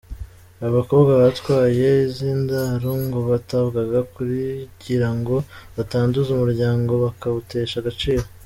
Aba bakobwa batwaye iz’indaro ngo batabwaga kugira ngo batanduza umuryango bakawutesha agaciro.